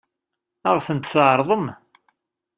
Ad ɣ-tent-tɛeṛḍem?